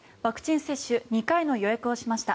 ワクチン接種２回の予約をしました。